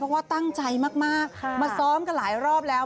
ว่าตั้งใจมากมาซ้อมกันหลายรอบแล้ว